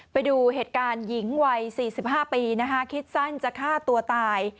ไปดูเหตุการณ์หญิงวัย๔๕ปีนะคะคิดสั้นจะฆ่าตัวตาย